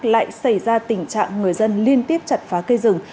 lại xảy ra tình trạng người dân liên tiếp chặt phá cây rừng